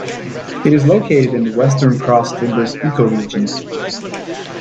It is located in the Western Cross Timbers Ecoregion.